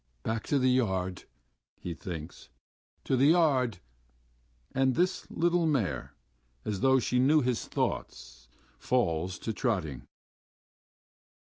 "Back to the yard!" he thinks. "To the yard!" And his little mare, as though she knew his thoughts, falls to trotting.